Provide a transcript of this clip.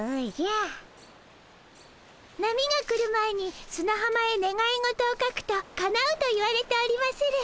波が来る前にすなはまへねがい事を書くとかなうといわれておりまする。